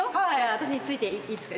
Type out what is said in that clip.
私について、いいですか。